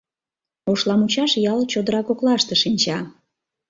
Ошламучаш ял чодыра коклаште шинча.